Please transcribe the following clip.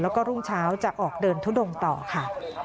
แล้วก็รุ่งเช้าจะออกเดินทุดงต่อค่ะ